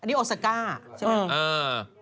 อันนี้โอซาก้าใช่ไหม